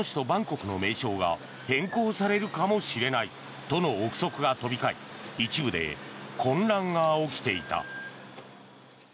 バンコクの名称が変更されるかもしれないとの臆測が飛び交い一部で混乱が起きていた。